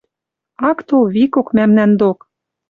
Ак тол викок мӓмнӓн док.